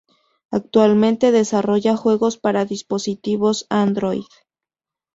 Actualmente desarrolla juegos para dispositivos Android.